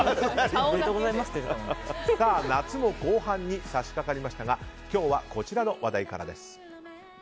夏も後半に差し掛かりましたが今日はこちらの話題からです。